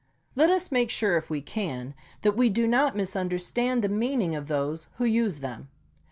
Let us make sure, if we can, that we do not misunderstand the mean ing of those who use them.